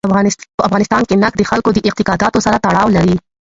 په افغانستان کې نفت د خلکو د اعتقاداتو سره تړاو لري.